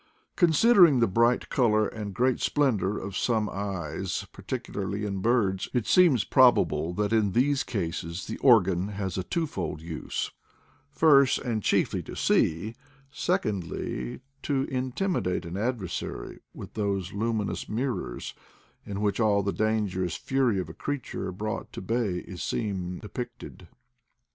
Considering the bright color and great splendor of some eyes, particularly in birds, it seems prob able that in these cases the organ has a twofold use: first and chiefly, to see; secondly, to intimi date an adversary with those luminous mirrors, in which all the dangerous fury of a creature brought to bay is seen depicted.